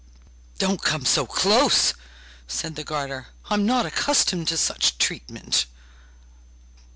'Don't come so close,' said the garter. 'I'm not accustomed to such treatment!